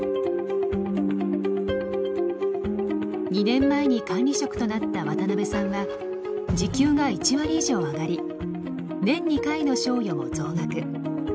２年前に管理職となった渡邊さんは時給が１割以上上がり年２回の賞与も増額。